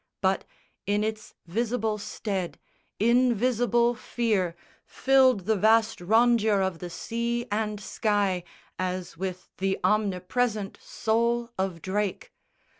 But, in its visible stead, invisible fear Filled the vast rondure of the sea and sky As with the omnipresent soul of Drake.